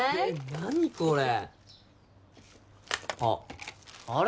何これあっあれ？